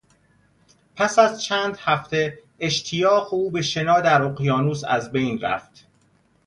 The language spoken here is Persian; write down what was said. پس از چند هفته، اشتیاق او به شنا در اقیانوس ازبین رفت.